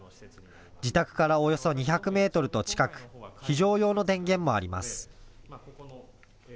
自宅からおよそ２００メートルと近く、非常用の電源もあります。